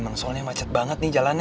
emang soalnya macet banget nih jalannya